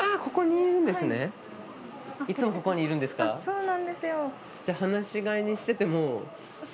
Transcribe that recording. そうなんですよ。